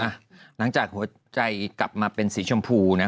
หลังจากหัวใจกลับมาเป็นสีชมพูนะ